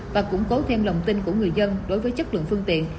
và củng cố thêm lòng tin của người dân đối với chất lượng phương tiện